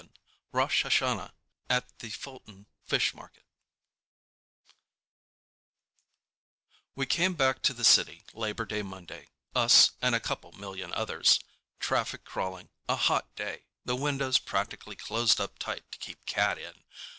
] ROSH HASHANAH AT THE FULTON FISH MARKET We came back to the city Labor Day Monday—us and a couple million others—traffic crawling, a hot day, the windows practically closed up tight to keep Cat in.